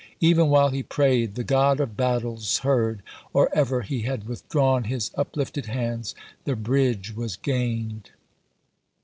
Even while he prayed, the God of bat Dabney, ties heard ; or ever he had withdrawn his uplifted hands, p *i^ the bridge was gained.